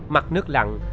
mặt nước lặn